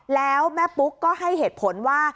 แล้วแม่ปุ๊กก็ให้เหตุผลว่า